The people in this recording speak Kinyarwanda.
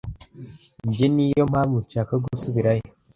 njye niyo mpamvu nshaka gusubirayo